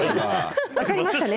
分かりましたね。